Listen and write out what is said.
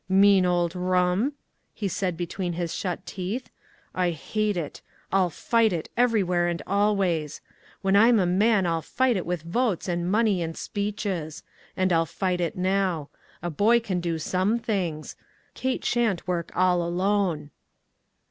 "Mean old rum," he said between his "WHAT IS THE USE?" 197 shut teeth. " I hate it ; I'll fight it, every where and always. When I'm a man I'll fight it with votes and money and speeches ; and I'll fight it now. A boy can do some things. Kate sha'n't work all alone."